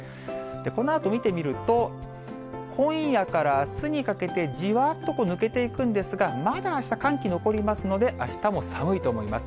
このあと見てみると、今夜からあすにかけて、じわっとこう抜けていくんですが、まだあした、寒気残りますので、あしたも寒いと思います。